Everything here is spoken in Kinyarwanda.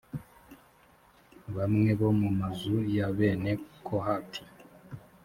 bamwe bo mu mazu ya bene kohati